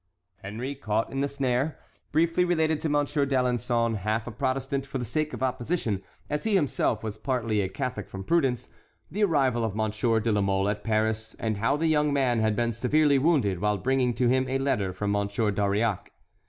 Henry, caught in the snare, briefly related to M. d'Alençon, half a Protestant for the sake of opposition, as he himself was partly a Catholic from prudence, the arrival of Monsieur de la Mole at Paris, and how the young man had been severely wounded while bringing to him a letter from M. d'Auriac.